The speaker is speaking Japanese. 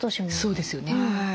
そうですよね。